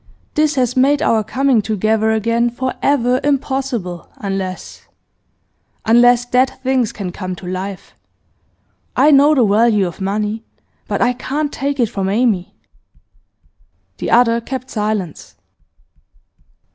This has made our coming together again for ever impossible, unless unless dead things can come to life. I know the value of money, but I can't take it from Amy.' The other kept silence.